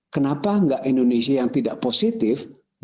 kenapa nggak indonesia yang tidak positif